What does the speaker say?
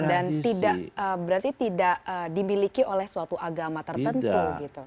dan tidak berarti tidak dibiliki oleh suatu agama tertentu gitu